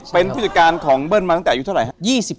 เป็นผู้จัดการของเบิ้ลมาตั้งแต่อายุเท่าไหร่ครับ